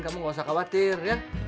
kamu gak usah khawatir ya